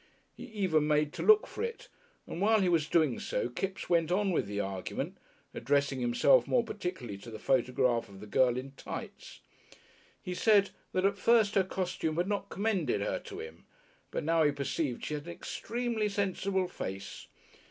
He even made to look for it, and while he was doing so Kipps went on with the argument, addressing himself more particularly to the photograph of the girl in tights. He said that at first her costume had not commended her to him, but now he perceived she had an extremely sensible face.